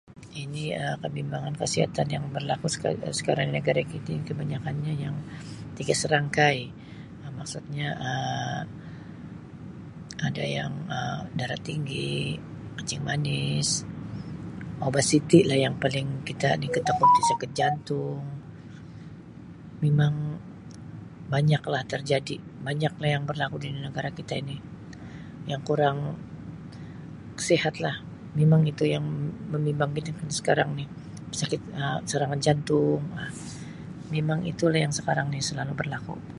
Ini Um kebimbangan kesihatan yang berlaku ska Um sekarang ini Um di negeri kita kebanyakannya yang tiga serangkai maksudnya Um ada yang Um darah tinggi, kencing manis obesiti lah yang paling kita ni takuti sakit jantung mimang banyak lah terjadi banyak lah yang berlaku di negara kita ini yang kurang sihat lah mimang itu yang membimbangkan kita sekarang ni sakit Um serangan jantung Um mimang itu lah yang sekarang ini selalu berlaku.